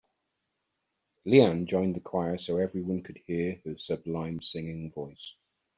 Leanne joined a choir so everyone could hear her sublime singing voice.